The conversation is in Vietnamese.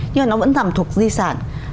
nhưng mà nó vẫn nằm thuộc di sản